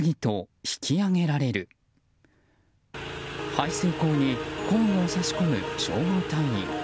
排水溝に工具をさし込む消防隊員。